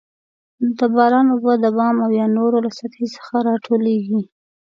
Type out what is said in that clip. د باران اوبه د بام او یا نورو له سطحې څخه راټولیږي.